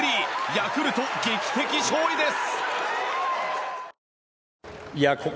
ヤクルト、劇的勝利です！